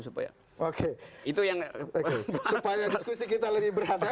supaya diskusi kita lebih beradab